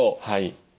はい。